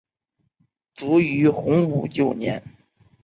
卒于洪武九年。